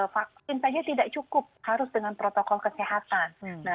vaksin saja tidak cukup harus dengan protokol kesehatan